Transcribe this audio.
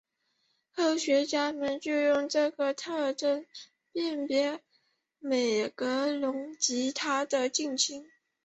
科学家们就是用这个特征来辨别美颌龙及它的近亲。